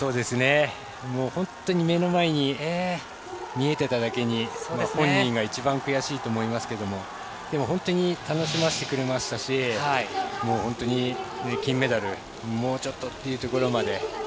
本当に目の前に見えていただけに本人が一番悔しいと思いますが本当に楽しませてくれましたし金メダルもうちょっとというところまで。